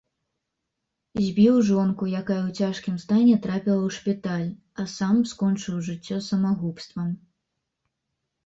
Збіў жонку, якая ў цяжкім стане трапіла ў шпіталь, а сам скончыў жыццё самагубствам.